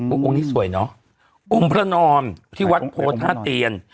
อุงนี่สวยนะองค์พระนอนที่วัดโภร์ท่าเตียน